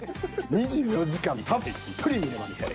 ２４時間たっぷり見れますこれ。